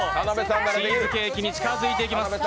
チーズケーキに近づいていきます。